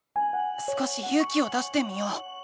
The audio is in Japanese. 少しゆう気を出してみよう。